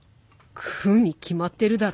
食うに決まってるだろ。